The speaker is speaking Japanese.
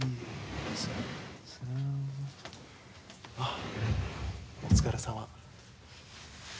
あお疲れさま。